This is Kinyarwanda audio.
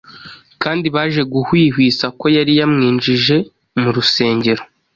kandi baje guhwihwisa ko yari yamwinjije mu rusengero.